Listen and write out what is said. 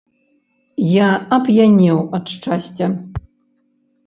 Я ап'янеў ад шчасця.